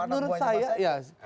menurut saya ya